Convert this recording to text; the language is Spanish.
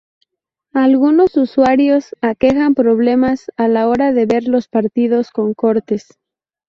Algunos usuarios aquejan problemas a la hora de ver los partidos, con cortes.